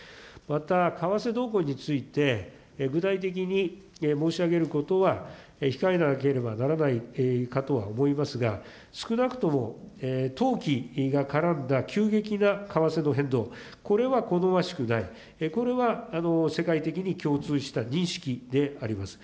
また、為替動向について、具体的に申し上げることは控えなければならないかとは思いますが、少なくとも投機が絡んだ急激な為替の変動、これは好ましくない、これは世界的に共通した認識であります。